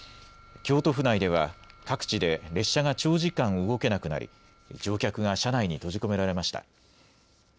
京都府内では各地で列車が長時間動けなくなり乗客が車内に閉じ込められました。